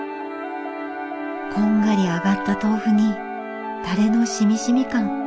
こんがり揚がった豆腐にタレのしみしみ感。